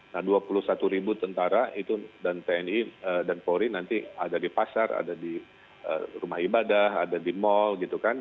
nah dua puluh satu ribu tentara itu dan tni dan polri nanti ada di pasar ada di rumah ibadah ada di mall gitu kan